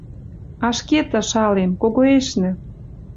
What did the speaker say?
Ашкед, ышалем, когоэшнӹ!